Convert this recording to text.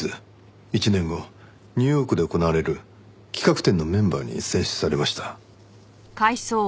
１年後ニューヨークで行われる企画展のメンバーに選出されました。